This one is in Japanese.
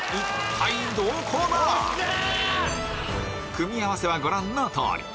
組み合わせはご覧の通り